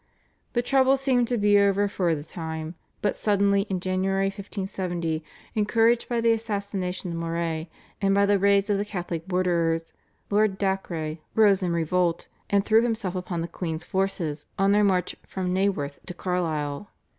The trouble seemed to be over for the time, but suddenly in January 1570, encouraged by the assassination of Moray and by the raids of the Catholic borderers, Lord Dacre rose in revolt, and threw himself upon the queen's forces on their march from Naworth to Carlisle.